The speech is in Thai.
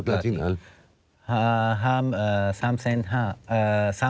มีใครต้องจ่ายค่าคุมครองกันทุกเดือนไหม